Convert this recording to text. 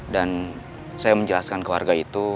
dan saya menjelaskan ke warga itu